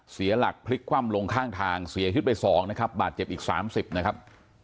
เสียหลักพลิกคว่ำลงข้างทางเสียชีวิตไป๒นะครับบาดเจ็บอีก๓๐นะครับ